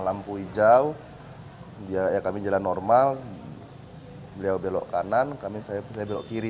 lampu hijau dia ya kami jalan normal beliau belok kanan kami saya belok kiri